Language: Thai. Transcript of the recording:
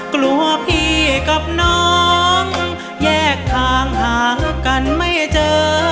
กลัวพี่กับน้องแยกทางหากันไม่เจอ